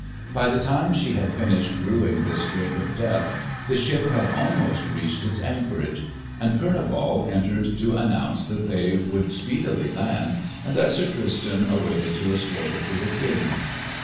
By the time she had finished brewing this drink of death the ship had almost reached its anchorage; and Kurneval entered to announce that they would speedily land, and that Sir Tristan awaited to escort her to the King.